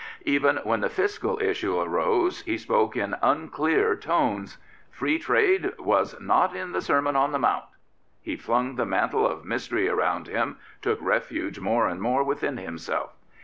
Even when the Fiscal issue arose he spoke in unclear tones. " Free Trade was not in the Sermon on the Mount.*' He flung the mantle of mystery around him, took refuge more and more within himself.